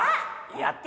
やった！